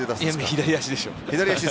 左足でしょ。